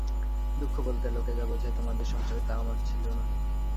দুঃখ বলতে লোকে যা বোঝে তোমাদের সংসারে তা আমার ছিল না।